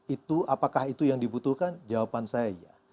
itu apakah itu yang dibutuhkan jawaban saya iya